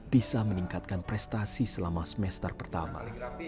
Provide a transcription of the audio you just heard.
bisa meningkatkan prestasi selama semester pertama